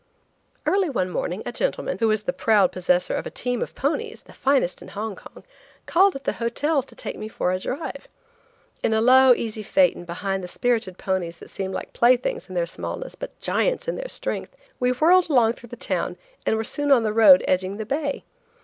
Early one morning a gentleman, who was the proud possessor of a team of ponies, the finest in Hong Kong, called at the hotel to take me for a drive. In a low, easy phaeton behind the spirited ponies that seem like playthings in their smallness but giants in their strength, we whirled along through the town and were soon on the road edging the bay.